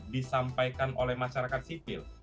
disampaikan oleh masyarakat sipil